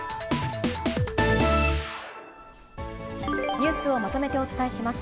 ニュースをまとめてお伝えします。